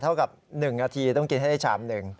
เท่ากับ๑นาทีต้องกินให้ได้ชามหนึ่ง